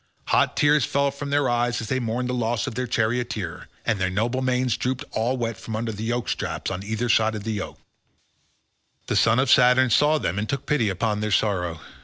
Hot tears fell from their eyes as they mourned the loss of their charioteer, and their noble manes drooped all wet from under the yoke straps on either side the yoke. The son of Saturn saw them and took pity upon their sorrow.